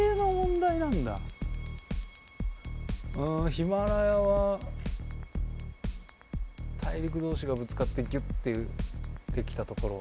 ヒマラヤは大陸同士がぶつかってギュッてできた所。